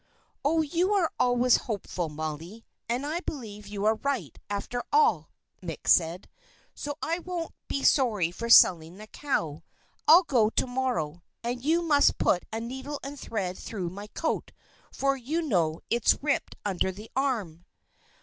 "Oh, you are always hopeful, Molly, and I believe you are right, after all," Mick said, "so I won't be sorry for selling the cow. I'll go to morrow, and you must put a needle and thread through my coat, for you know it's ripped under the arm."